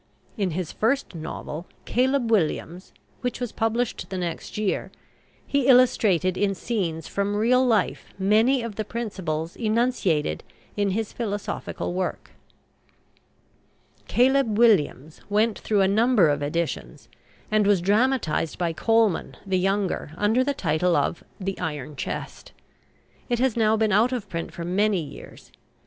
In his first novel, "Caleb Williams," which was published the next year, he illustrated in scenes from real life many of the principles enunciated in his philosophical work. "Caleb Williams" went through a number of editions, and was dramatized by Colman the younger under the title of "The Iron Chest." It has now been out of print for many years.